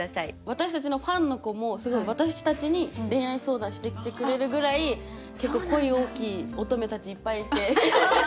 私たちのファンの子もすごい私たちに恋愛相談してきてくれるぐらい恋多き乙女たちいっぱいいて。